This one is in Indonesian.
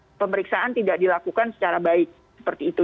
karena pemeriksaan tidak dilakukan secara baik seperti itu